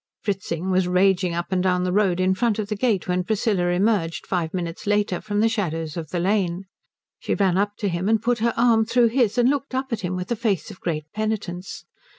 Fritzing was raging up and down the road in front of the gate when Priscilla emerged, five minutes later, from the shadows of the lane. She ran up to him and put her arm through his, and looked up at him with a face of great penitence.